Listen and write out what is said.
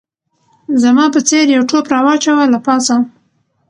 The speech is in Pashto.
زما په څېر یو ټوپ راواچاوه له پاسه